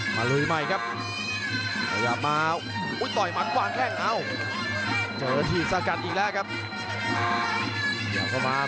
มาเลยใหม่ครับพยายามมา